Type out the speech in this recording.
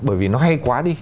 bởi vì nó hay quá đi